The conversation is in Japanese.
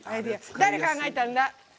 誰、考えたんだ？